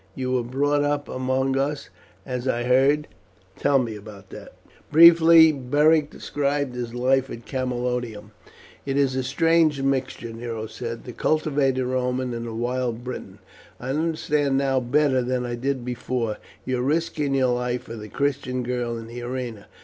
You were brought up among us, as I heard. Tell me of that." Briefly Beric described his life at Camalodunum. "It is a strange mixture," Nero said; "the cultivated Roman and the wild Briton. I understand now better than I did before, your risking your life for the Christian girl in the arena.